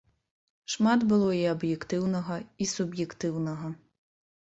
Шмат было і аб'ектыўнага, і суб'ектыўнага.